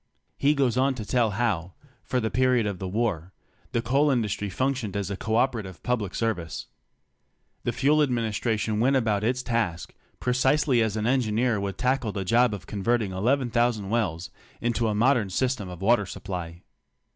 He goes on to tell how, for the period of the war, the coal industry functioned as a co operative public service. The Fuel Administration went about its task precisely as an engineer would tackle the job of converting 11,000 wells into a modern system of water supply.